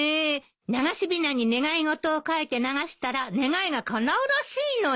流しびなに願い事を書いて流したら願いがかなうらしいのに。